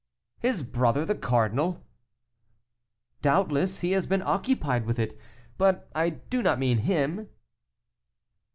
"His brother the cardinal?" "Doubtless he has been occupied with it, but I do not mean him."